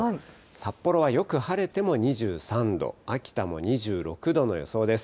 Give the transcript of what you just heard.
札幌はよく晴れても２３度、秋田も２６度予想です。